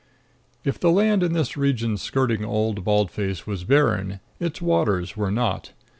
If the land in this region skirting Old Bald Face was barren, its waters were not.